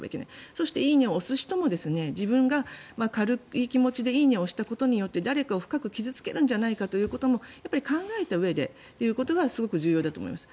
そして、「いいね」を押す人も自分が軽い気持ちで「いいね」を押したことで誰かを深く傷付けるんじゃないかということもやっぱり考えたうえでということはすごく重要だと思います。